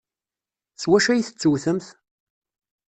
S wacu ay tettewtemt?